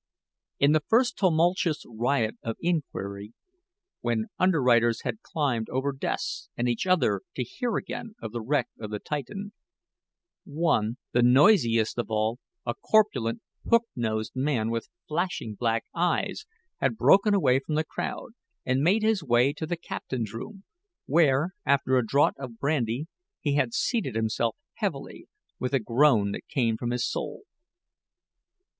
In the first tumultuous riot of inquiry, when underwriters had climbed over desks and each other to hear again of the wreck of the Titan, one the noisiest of all, a corpulent, hook nosed man with flashing black eyes had broken away from the crowd and made his way to the Captain's room, where, after a draught of brandy, he had seated himself heavily, with a groan that came from his soul.